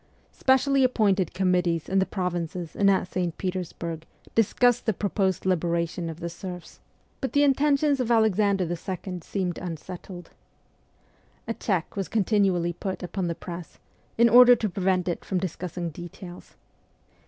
Specially appointed committees in the provinces and at St. Petersburg discussed the proposed liberation of the 152 MEMOIRS OF A REVOLUTIONIST serfs, but the intentions of Alexander II. seemed unsettled. A check was continually put upon the press, in order to prevent it from discussing details.